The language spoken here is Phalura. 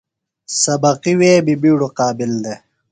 سبقی وے بیۡ بِیڈوۡ قابل دےۡ۔